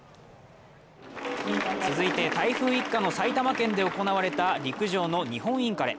続いて台風一過の埼玉県で行われた陸上の日本インカレ。